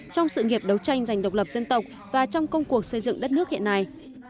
trong sự nghiệp đấu tranh giành độc lập dân tộc và trong công cuộc xây dựng đất nước hiện nay